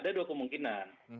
ada dua kemungkinan